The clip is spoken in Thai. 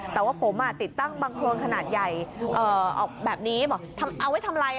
แต่ว่าผมติดตั้งบังโครนขนาดใหญ่ออกแบบนี้บอกเอาไว้ทำอะไร